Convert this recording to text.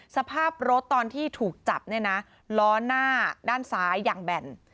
สภาพรถตอนที่ถูกจับเนี่ยนะล้อหน้าด้านซ้ายอย่างแบ่น